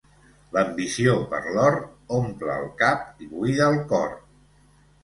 L'ambició per l'or omple el cap i buida el cor.